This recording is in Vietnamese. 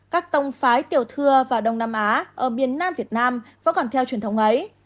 các tông phái tiểu thừa và đông nam á ở miền nam việt nam vẫn còn theo truyền thống ấy